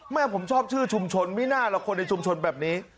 แม่ผมชอบชื่อชุมชนไม่น่าหรอกคนในชุมชนแบบนี้